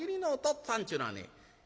っつぁんっちゅうのはね